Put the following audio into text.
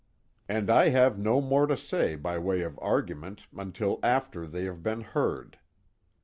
And I have no more to say by way of argument until after they have been heard.